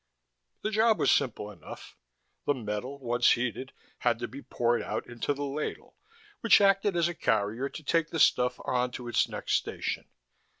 The job was simple enough: the metal, once heated, had to be poured out into the ladle, which acted as a carrier to take the stuff on to its next station.